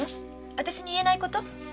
わたしに言えないこと？